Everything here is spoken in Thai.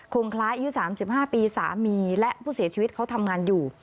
คล้ายอายุ๓๕ปีสามีและผู้เสียชีวิตเขาทำงานอยู่